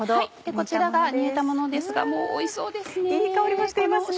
こちらが煮えたものですがもうおいしそうですね。